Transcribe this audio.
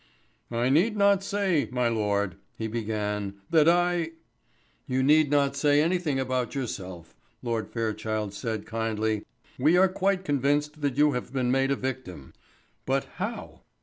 "I need not say, my lord," he began, "that I " "You need not say anything about yourself," Lord Fairchild said kindly. "We are quite convinced that you have been made a victim. But how?"